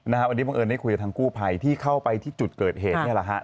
วันนี้บังเอิญได้คุยกับทางกู้ภัยที่เข้าไปที่จุดเกิดเหตุ